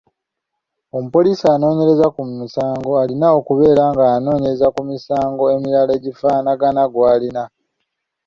Omupoliisi anoonyereza ku musango alina okubeera ng'asoma ku misango emirala egifanaagana gw'aliko.